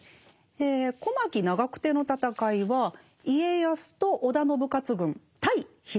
小牧・長久手の戦いは家康と織田信雄軍対秀吉ですね